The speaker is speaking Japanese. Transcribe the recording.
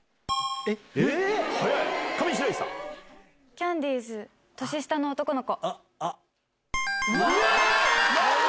キャンディーズ、年下の男の子。